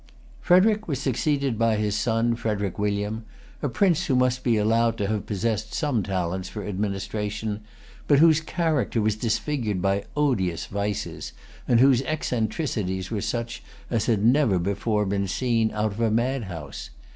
Frederic was succeeded by his son, Frederic William, a prince who must be allowed to have possessed some talents for administration, but whose character was disfigured by odious vices, and whose eccentricities were such as had never before been seen out of a madhouse.